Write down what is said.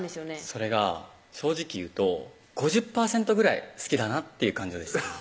それが正直言うと５０％ぐらい好きだなっていう感情でした